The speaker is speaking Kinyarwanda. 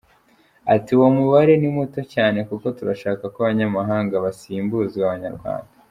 Ati "Uwo mubare ni muto cyane kuko turashaka ko abanyamahanga basimbuzwa Abanyarwanda.